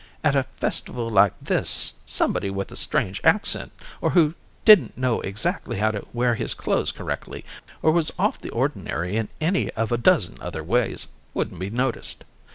At a festival like this somebody with a strange accent, or who didn't know exactly how to wear his clothes correctly, or was off the ordinary in any of a dozen other ways, wouldn't be noticed.